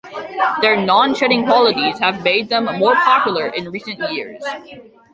Their non-shedding qualities have made them more popular in recent years.